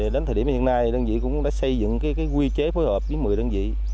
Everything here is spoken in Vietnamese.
đến thời điểm hiện nay đơn vị cũng đã xây dựng quy chế phối hợp với một mươi đơn vị